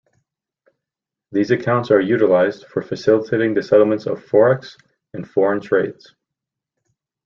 These accounts are utilised for facilitating the settlements of Forex and foreign trades.